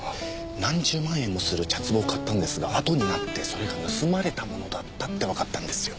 何十万円もする茶壷を買ったんですがあとになってそれが盗まれたものだったってわかったんですよ。